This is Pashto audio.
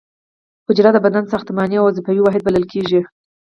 حجره د بدن ساختماني او وظیفوي واحد بلل کیږي